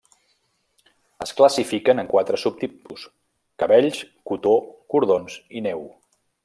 Es classifiquen en quatre subtipus: cabells, cotó, cordons i neu.